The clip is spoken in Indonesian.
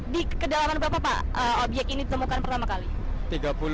di kedalaman berapa pak objek ini ditemukan pertama kali